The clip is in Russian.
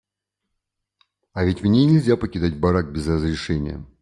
А ведь мне нельзя покидать барак без разрешения.